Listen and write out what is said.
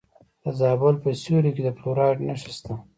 د زابل په سیوري کې د فلورایټ نښې شته.